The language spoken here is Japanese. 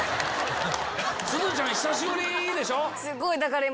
すずちゃん久しぶりでしょ。